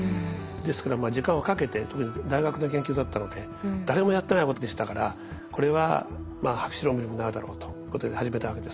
ですから時間をかけて特に大学の研究だったので誰もやってないことでしたからこれは博士論文になるだろうということで始めたわけです。